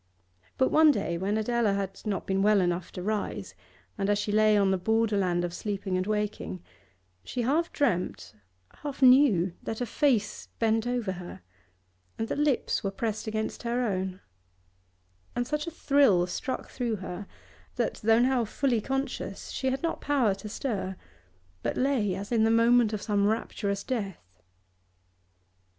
But one day, when Adela had not been well enough to rise, and as she lay on the borderland of sleeping and waking, she half dreamt, half knew, that a face bent over her, and that lips were pressed against her own; and such a thrill struck through her that, though now fully conscious, she had not power to stir, but lay as in the moment of some rapturous death.